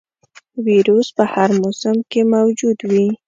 ویروس په هر موسم کې موجود وي.